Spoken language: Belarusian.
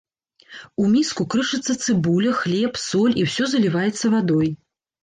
У міску крышыцца цыбуля, хлеб, соль і ўсё заліваецца вадой.